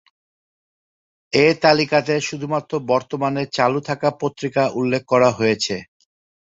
এই তালিকাতে শুধুমাত্র বর্তমানে চালু থাকা পত্রিকা উল্লেখ করা হয়েছে।